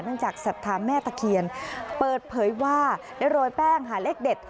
จากศรัทธาแม่ตะเคียนเปิดเผยว่าได้โรยแป้งหาเลขเด็ด